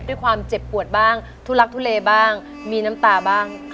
ด้วยความเจ็บปวดบ้างทุลักทุเลบ้างมีน้ำตาบ้าง